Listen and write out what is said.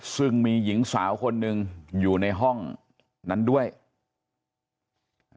ซึ่งมีหญิงสาวคนหนึ่งอยู่ในห้องนั้นด้วยอ่า